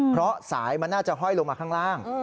เพราะสายมันน่าจะห้อยลงมาข้างล่าง